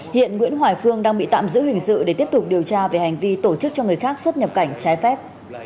hiện nguyễn hoài phương đang bị tạm giữ hình sự để tiếp tục điều tra về hành vi tổ chức cho người khác xuất nhập cảnh trái phép